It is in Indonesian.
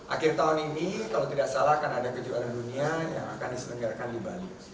akhir tahun ini kalau tidak salah akan ada kejuaraan dunia yang akan diselenggarakan di bali